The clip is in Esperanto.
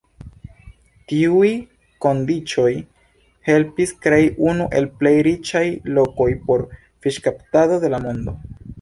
Tiuj kondiĉoj helpis krei unu el plej riĉaj lokoj por fiŝkaptado de la mondo.